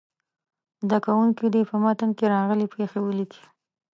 زده کوونکي دې په متن کې راغلې پيښې ولیکي.